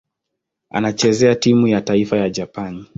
Anachezea timu ya taifa ya Japani.